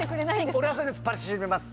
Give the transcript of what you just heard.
俺はそれで突っ走ります。